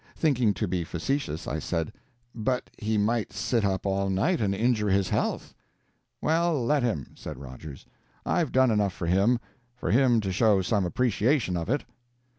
Thinking to be facetious, I said: "But he might sit up all night and injure his health." "Well, let him," said Rogers; "I've done enough for him, for him to show some appreciation of it."